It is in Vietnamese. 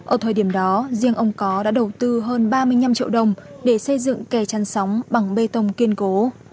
ở thời điểm đó riêng ông có đã đầu tư hơn ba mươi năm triệu đồng để xây dựng kè chăn sóng bằng bê tông kiên cố